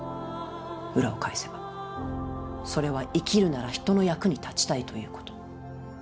裏を返せばそれは生きるなら人の役に立ちたいということ。